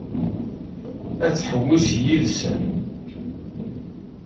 Ad tḥewwes yid-sen?